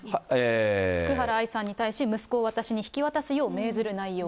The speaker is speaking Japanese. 福原愛さんに対し、息子を私に引き渡すよう命ずる内容と。